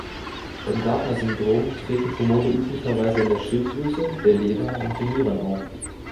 Beim Gardner-Syndrom treten Tumore üblicherweise in der Schilddrüse, der Leber und den Nieren auf.